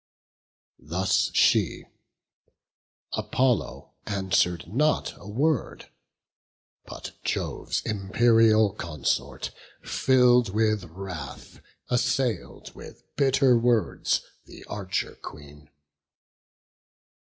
Thus she; Apollo answer'd not a word; But Jove's imperial consort, fill'd with wrath, Assail'd with bitter words the Archer Queen.